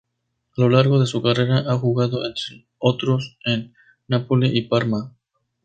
A lo largo de su carrera ha jugado, entre otros, en Napoli y Parma.